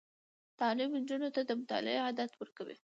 تعلیم نجونو ته د مطالعې عادت ورکوي.